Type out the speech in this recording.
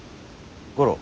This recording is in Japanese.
五郎。